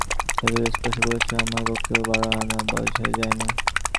ছাত্ররা স্পষ্টই বলিতেছে, আমার বক্তৃতা বারো-আনা বোঝাই যায় নাই।